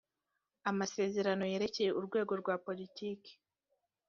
amasezerano yerekeye urwego rwa politiki